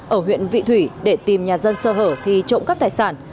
ở huyện vị thủy để tìm nhà dân sơ hở thì trộm cắp tài sản